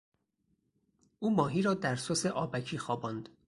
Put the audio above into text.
او ماهی را در سس آبکی خواباند.